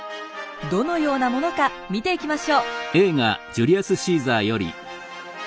どのようなものか見ていきましょう。